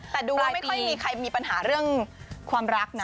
แต่ดูว่าไม่ค่อยมีใครมีปัญหาเรื่องความรักนะ